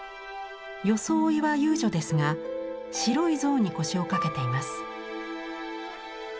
装いは遊女ですが白い象に腰を掛けています。